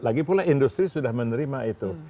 lagipula industri sudah menerima itu